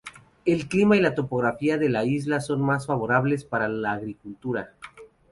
El clima y la topografía de la isla son más favorables para la agricultura.